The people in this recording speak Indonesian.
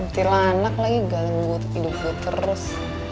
unti lah anak lagi galen hidup gue terus